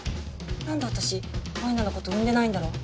なんで私舞菜のこと産んでないんだろ